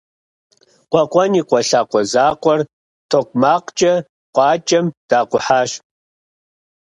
Къуэкъуэн и къуэ лъакъуэ закъуэр токъумакъкӏэ къуакӏэм дакъухьащ.